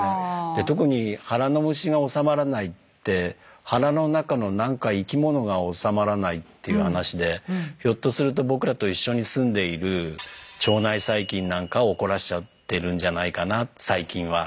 で特に腹の虫が治まらないって腹の中の何か生き物が治まらないっていう話でひょっとすると僕らと一緒に住んでいる腸内細菌なんかを怒らせちゃってるんじゃないかな最近は。